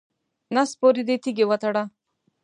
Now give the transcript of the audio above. نس پورې دې تیږې وتړه.